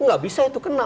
nggak bisa itu kena